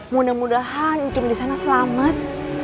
mudah mudahan encum disana selamat